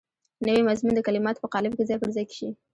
نوی مضمون د کلماتو په قالب کې ځای پر ځای شي.